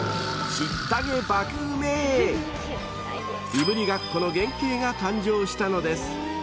［いぶりがっこの原型が誕生したのです］